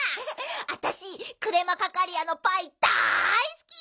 あたしクレマカカリアのパイだいすき！